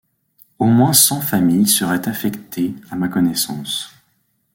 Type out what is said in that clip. Au moins cent familles seraient affectées à ma connaissance.